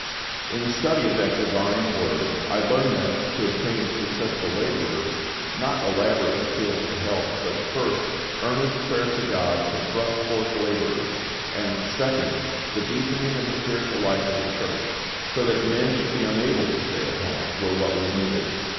In the study of that Divine Word I learned that, to obtain successful labourers, not elaborate appeals for help, but, first, earnest prayer to GOD to thrust forth labourers, and, second, the deepening of the spiritual life of the church, so that men should be unable to stay at home, were what was needed.